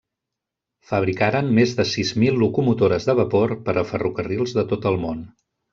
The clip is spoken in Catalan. Fabricaren més de sis mil locomotores de vapor per a ferrocarrils de tot el món.